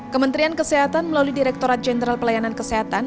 kementerian kesehatan melalui direkturat jenderal pelayanan kesehatan